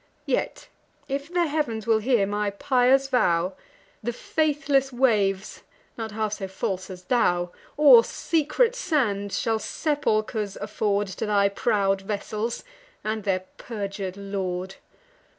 Yet, if the heav'ns will hear my pious vow, The faithless waves, not half so false as thou, Or secret sands, shall sepulchers afford To thy proud vessels, and their perjur'd lord.